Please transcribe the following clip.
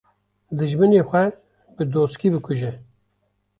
Dijminê xwe bi doskî dikuje